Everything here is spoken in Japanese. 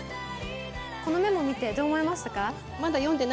このメモを見てどう思いましたか？